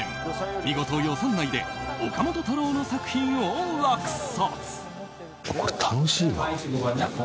見事、予算内で岡本太郎の作品を落札。